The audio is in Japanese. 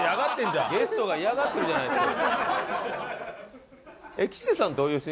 ゲストが嫌がってるじゃないですか。